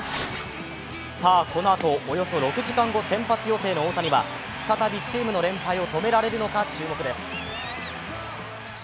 さあこのあと、およそ６時間後先発予定の大谷は再びチームの連敗を止められるのか注目です。